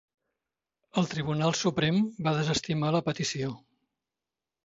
El Tribunal Suprem va desestimar la petició.